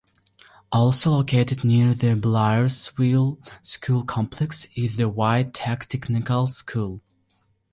Also located near the Blairsville school complex is the WyoTech technical school.